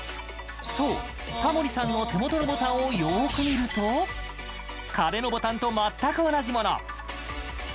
そう、タモリさんの手元のボタンをよーく見ると壁のボタンと全く同じもの。